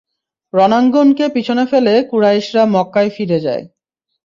রণাঙ্গনকে পিছনে ফেলে কুরাইশরা মক্কায় ফিরে যায়।